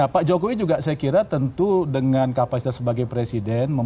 pak jokowi juga saya kira tentu dengan kapasitas sebagai presiden